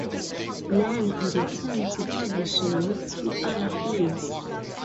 Blank returned to publishing with two other plays.